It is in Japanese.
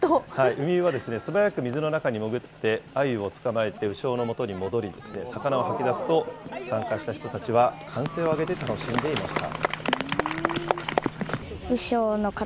ウミウは素早く水の中に潜ってあゆを捕まえて鵜匠のもとに戻り、魚を吐き出すと、参加した人たちは歓声を上げて楽しんでいました。